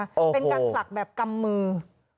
เป็นการผลักแบบกำมือ